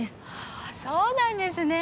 あっそうなんですね。